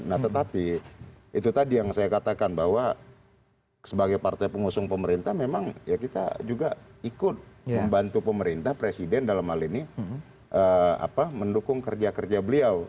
nah tetapi itu tadi yang saya katakan bahwa sebagai partai pengusung pemerintah memang ya kita juga ikut membantu pemerintah presiden dalam hal ini mendukung kerja kerja beliau